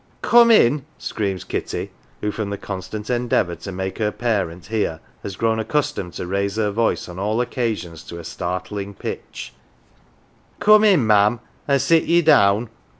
" Coom in," screams Kitty, who, from the constant endeavour to make her parent hear, has grown accustomed to raise her voice on all occa sions to a startling pitch, "coom in, ma'am, an 1 sit ye down.